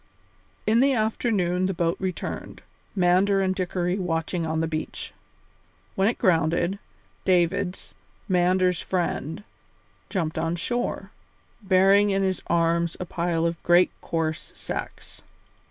In the afternoon the boat returned, Mander and Dickory watching on the beach. When it grounded, Davids, Mander's friend, jumped on shore, bearing in his arms a pile of great coarse sacks.